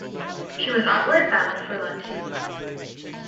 She was outward bound for London.